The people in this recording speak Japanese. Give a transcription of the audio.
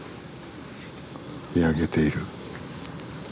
見上げている。